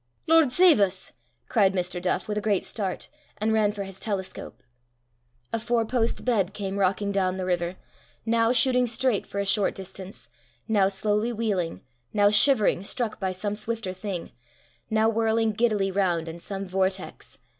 "Lord save us!" cried Mr. Duff, with a great start, and ran for his telescope. A four post bed came rocking down the river, now shooting straight for a short distance, now slowly wheeling, now shivering, struck by some swifter thing, now whirling giddily round in some vortex.